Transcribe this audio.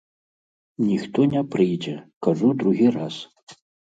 Ніхто не прыйдзе, кажу другі раз.